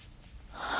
はあ。